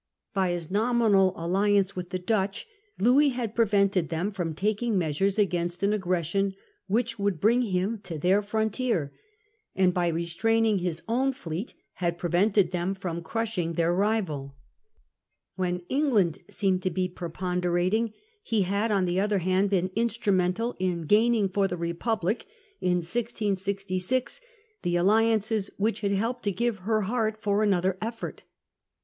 By his nominal alliance with the Dutch (p. 115) Louis had prevented them from taking measures against an aggression which would bring him to their frontier; and, by restraining his own fleet, had prevented them from crushing their rival. When England seemed to be pre ponderating, he had on the. other hand been instrumental 1667. Preparations of Louis. 141 in gaining for the Republic, in 1666, the alliances which had helped to give her heart for another effort.